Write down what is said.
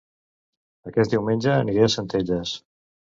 Aquest diumenge aniré a Centelles